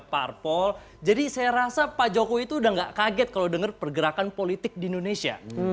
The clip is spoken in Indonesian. parpol jadi saya rasa pak jokowi itu udah gak kaget kalau denger pergerakan politik di indonesia